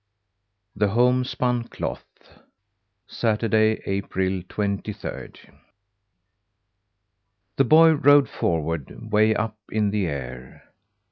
THE HOMESPUN CLOTH Saturday, April twenty third. The boy rode forward way up in the air.